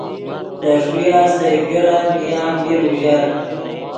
دے ݰویا سئے کرن نیا میر اوژر